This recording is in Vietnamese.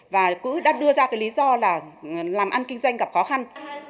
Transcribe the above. và cứ đặt đưa ra cái lý do là làm ăn kinh doanh gặp khó khăn